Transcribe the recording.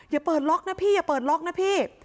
อย่าเปิดล็อกนะพี่อย่าเปิดล็อกนะพี่